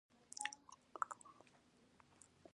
افغانستان د ځمکني شکل له پلوه یو خورا متنوع هېواد دی.